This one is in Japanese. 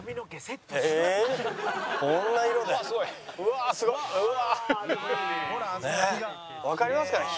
わかりますかね？